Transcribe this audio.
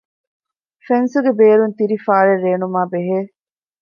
ފެންސުގެ ބޭރުން ތިރި ފާރެއް ރޭނުމާބެހޭ